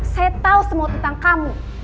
saya tahu semua tentang kamu